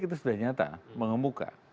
itu sudah nyata mengemuka